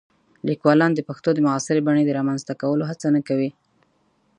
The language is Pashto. لیکوالان د پښتو د معاصرې بڼې د رامنځته کولو هڅه نه کوي.